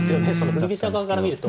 振り飛車側から見ると。